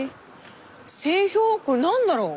製氷これ何だろう？